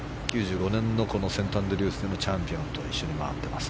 ９４年のセントアンドリュースのチャンピオンと一緒に回っています。